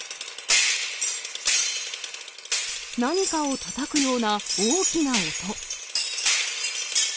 何かをたたくような大きな音。